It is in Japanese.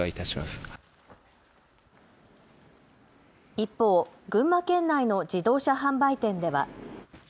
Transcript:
一方、群馬県内の自動車販売店では。